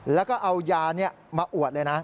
แล้วก็เอายามาอวดเลยนะ